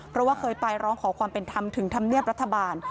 เพราะว่าเคยไปร้องขอความเป็นธรรมถึงธรรมเนียบรัฐบาล